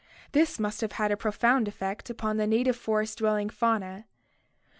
This must have had a profound effect upon the native forest dwelling fauna.